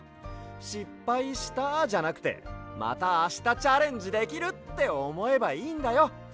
「しっぱいした」じゃなくて「またあしたチャレンジできる」っておもえばいいんだよ。